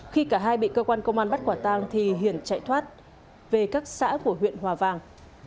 khi cả hai bị cơ quan công an bắt quả tang thì hiển chạy thoát về các xã của huyện hòa vàng